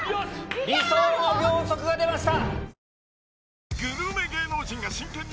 理想の秒速が出ました！